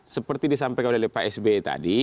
seperti disampaikan oleh pak sby tadi